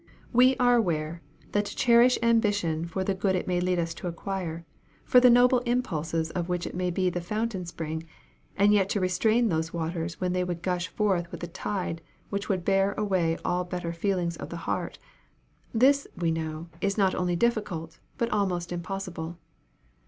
We are aware, that to cherish ambition for the good it may lead us to acquire, for the noble impulses of which it may be the fountain spring, and yet to restrain those waters when they would gush forth with a tide which would bear away all better feelings of the heart this, we know, is not only difficult, but almost impossible.